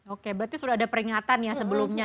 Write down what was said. oke berarti sudah ada peringatan ya sebelumnya